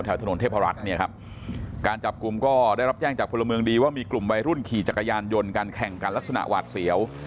ถนนเทพรัฐเนี่ยครับการจับกลุ่มก็ได้รับแจ้งจากพลเมืองดีว่ามีกลุ่มวัยรุ่นขี่จักรยานยนต์การแข่งกันลักษณะหวาดเสียว